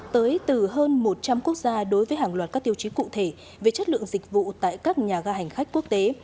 tới từ hơn một trăm linh quốc gia đối với hàng loạt các tiêu chí cụ thể về chất lượng dịch vụ tại các nhà ga hành khách quốc tế